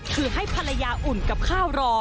คือให้ภรรยาอุ่นกับข้าวรอ